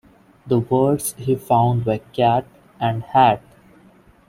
The words he found were "cat" and "hat".